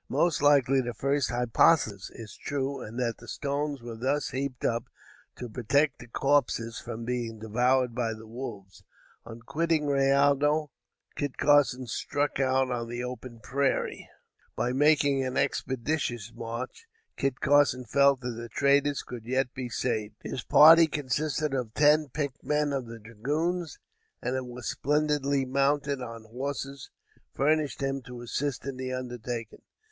Most likely the first hypothesis is true, and that the stones were thus heaped up to protect the corpses from being devoured by the wolves. On quitting Rayado Kit Carson struck out on the open prairies. By making an expeditious march, Kit Carson felt that the traders could yet be saved. His party consisted of ten picked men of the dragoons, and it was splendidly mounted on horses furnished him to assist in the undertaking.